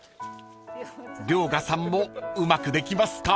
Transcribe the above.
［遼河さんもうまくできますか？］